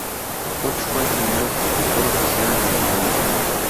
Koch fue el primer horticultor oficial en Alemania.